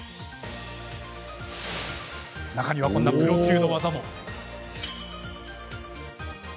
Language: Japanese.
中にはこんなプロ級の技も。